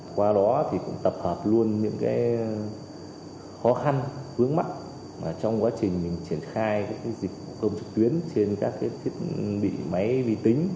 qua đó thì cũng tập hợp luôn những khó khăn hướng mắc trong quá trình triển khai dịch vụ công trực tuyến trên các thiết bị máy vi tính